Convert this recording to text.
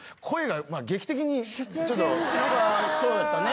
何かそうやったね。